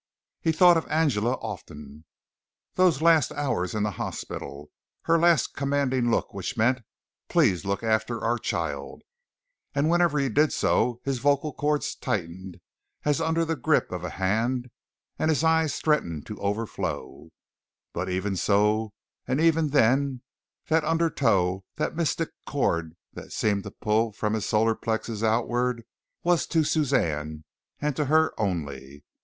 He thought of Angela often those last hours in the hospital, her last commanding look which meant "please look after our child," and whenever he did so his vocal cords tightened as under the grip of a hand and his eyes threatened to overflow, but even so, and even then, that undertow, that mystic cord that seemed to pull from his solar plexus outward, was to Suzanne and to her only.